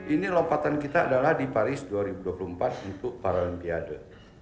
ini lompatan kita adalah di paris dua ribu dua puluh empat untuk paralimpiade